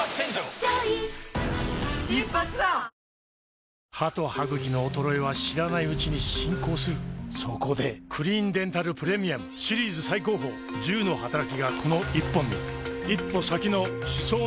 「ビオレ」歯と歯ぐきの衰えは知らないうちに進行するそこで「クリーンデンタルプレミアム」シリーズ最高峰１０のはたらきがこの１本に一歩先の歯槽膿漏予防へプレミアム